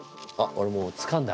おれもうつかんだ！